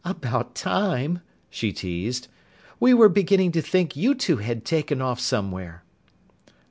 "About time!" she teased. "We were beginning to think you two had taken off somewhere."